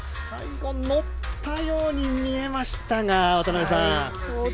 最後、乗ったように見えましたが渡辺さん。